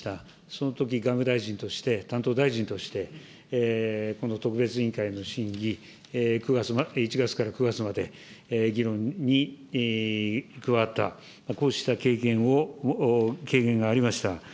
そのとき、外務大臣として、担当大臣として、この特別委員会の審議、１月から９月まで議論に加わった、こうした経験を経験がありました。